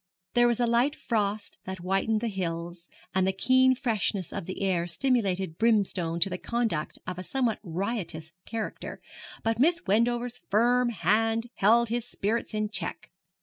There was a light frost that whitened the hills, and the keen freshness of the air stimulated Brimstone to conduct of a somewhat riotous character, but Miss Wendover's firm hand held his spirits in check.